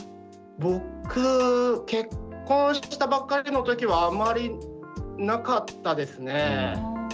僕結婚したばっかりの時はあまりなかったですね。